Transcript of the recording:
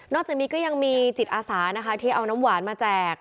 จากนี้ก็ยังมีจิตอาสานะคะที่เอาน้ำหวานมาแจก